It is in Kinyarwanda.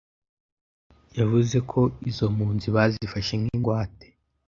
yavuze ko izo mpunzi "bazifashe nk'ingwate".